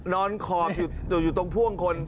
ขอบอยู่ตรงพ่วงคน